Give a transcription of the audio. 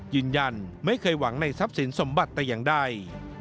ยืนยันไม่เคยหวังในทรัพย์สินสมบัติแต่อย่างใด